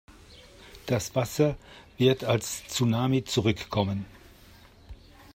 Das Wasser wird als Tsunami zurückkommen.